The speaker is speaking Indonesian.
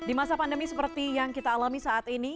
di masa pandemi seperti yang kita alami saat ini